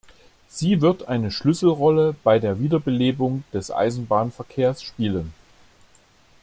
Sie wird eine Schlüsselrolle bei der Wiederbelebung des Eisenbahnverkehrs spielen.